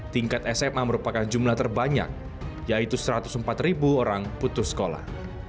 tingkat sma merupakan jumlah terbanyak yaitu satu ratus empat orang putus sekolah